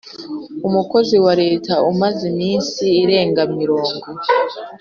Umukozi Wa Leta Umaze Iminsi Irenga Mirongo